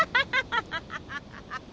ハハハハハッ。